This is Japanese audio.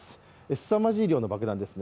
すさまじい量の爆弾ですね。